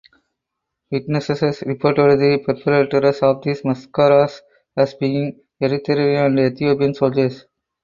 Witnesses reported the perpetrators of this massacre as being Eritrean and Ethiopian soldiers.